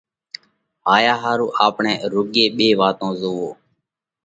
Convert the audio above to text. هايا ۿارُو آپڻئہ روڳي ٻي واتون زووو۔